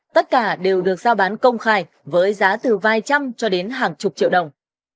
tất cả đều được giao bán công khai với giá từ vài trăm cho đến hàng chục triệu đồng